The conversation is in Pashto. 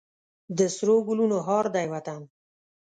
د سرو ګلونو هار دی وطن.